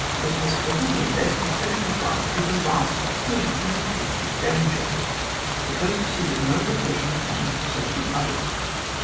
It has ever been their professional pride to be the last to flee from the post of danger, the first to see that no precaution was wanting for the safety of others.